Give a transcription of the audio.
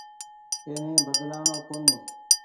اي ني بدلآڻو ڪونيٚ ۔